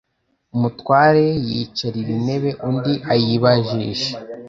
umutware yicarira intebe undi ayibajisha